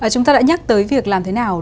chúng ta đã nhắc tới việc làm thế nào